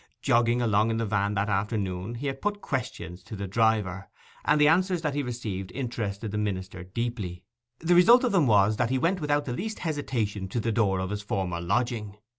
Jogging along in the van that afternoon he had put questions to the driver, and the answers that he received interested the minister deeply. The result of them was that he went without the least hesitation to the door of his former lodging.